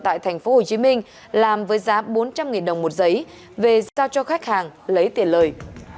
tại tp hcm làm với giá bốn trăm linh đồng một giấy về giao cho khách hàng lấy tiền lời